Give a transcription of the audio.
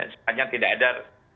sebenarnya tidak ada